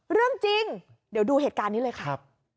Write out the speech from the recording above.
เรื่องจริงเดี๋ยวดูเหตุการณ์นี้เลยครับ